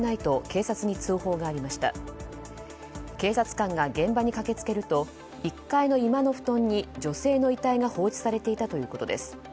警察官が現場に駆けつけると１階の居間の布団に女性の遺体が放置されていたということです。